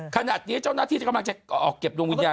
ขณะนี้เจ้าหน้าที่กำลังจะออกเก็บดวงวิญญาณ